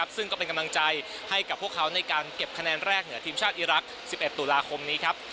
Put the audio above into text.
ซึ่งก็เป็นกำลังใจให้กับพวกเขาในการเก็บคะแนนแรกเหนือทีมชาติอีรักษ์๑๑ตุลาคมนี้ครับ